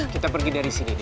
kita pergi dari sini